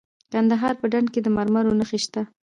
د کندهار په ډنډ کې د مرمرو نښې شته.